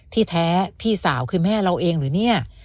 ที่แท้พี่สาวคือแม่เราเองหรือเนี่ย